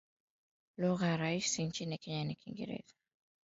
Lugha rasmi nchini Kenya ni Kiingereza.